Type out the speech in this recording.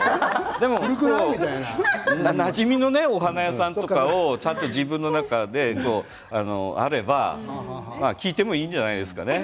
なじみのお花屋さんとかちゃんと自分の中にあれば聞いてもいいんじゃないですかね。